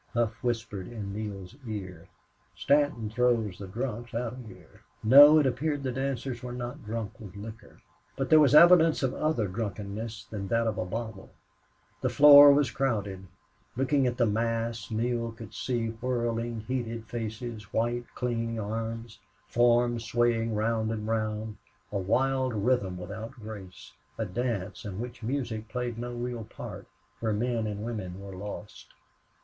Hough whispered in Neale's ear: "Stanton throws the drunks out of here." No, it appeared the dancers were not drunk with liquor. But there was evidence of other drunkenness than that of the bottle. The floor was crowded. Looking at the mass, Neale could only see whirling, heated faces, white, clinging arms, forms swaying round and round, a wild rhythm without grace, a dance in which music played no real part, where men and women were lost.